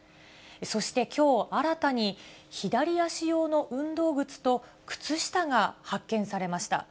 そしてきょう、新たに、左足用の運動靴と靴下が発見されました。